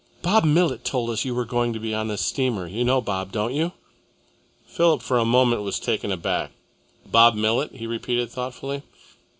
"Bob Millet told us you were going to be on this steamer. You know Bob, don't you?" Philip for a moment was taken aback. "Bob Millet," he repeated thoughtfully.